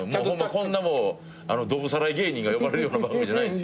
こんなもうどぶさらい芸人が呼ばれるような番組じゃないです。